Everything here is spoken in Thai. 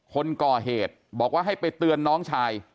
คนก่อเหตุบอกว่าให้ไปเตือนน้องชาย